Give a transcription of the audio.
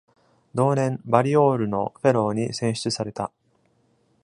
同年、バリオールのフェローに選出された。